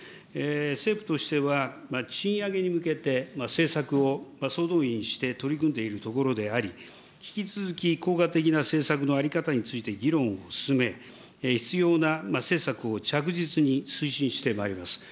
政府としては、賃上げに向けて政策を総動員して取り組んでいるところであり、引き続き効果的な政策の在り方について議論を進め、必要な施策を着実に推進してまいります。